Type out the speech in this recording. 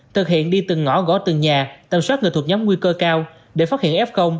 thực hiện đi từng ngõ gõ từng nhà tầm soát người thuộc nhóm nguy cơ cao để phát hiện f